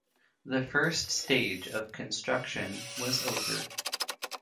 The first stage of construction was over.